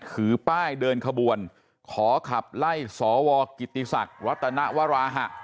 ถือป้ายเดินขบวนขอขับไล่สวกิติศักดิ์รัตนวราหะ